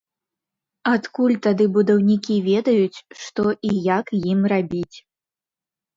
Адкуль тады будаўнікі ведаюць, што і як ім рабіць?